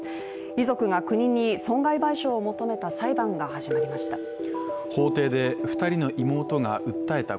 遺族が国に損害賠償を求めた裁判が始まりました。